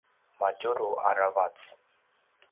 madjulu aravac